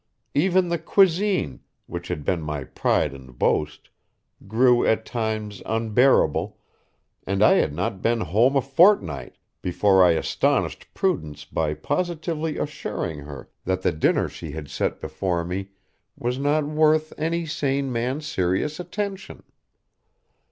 Even the cuisine, which had been my pride and boast, grew at times unbearable, and I had not been home a fortnight before I astonished Prudence by positively assuring her that the dinner she had set before me was not worth any sane man's serious attention.